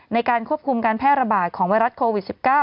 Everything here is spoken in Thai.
ในการควบคุมการแพร่ระบาดของไวรัสโควิด๑๙